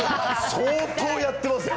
相当やってますよ。